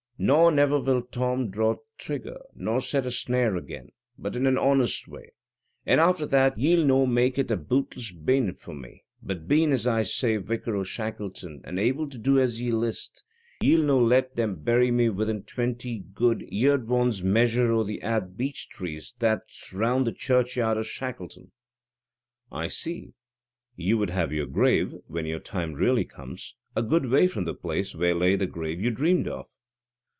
Nor never will Tom draw trigger, nor set a snare again, but in an honest way, and after that ye'll no make it a bootless bene for me, but bein', as I say, vicar o' Shackleton, and able to do as ye list, ye'll no let them bury me within twenty good yerd wands measure o' the a'd beech trees that's round the churchyard of Shackleton." "I see; you would have your grave, when your time really comes, a good way from the place where lay the grave you dreamed of."